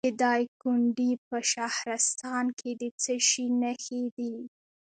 د دایکنډي په شهرستان کې د څه شي نښې دي؟